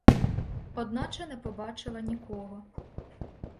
Одначе не побачила нікого.